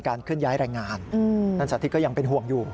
เคลื่อนย้ายแรงงานท่านสาธิตก็ยังเป็นห่วงอยู่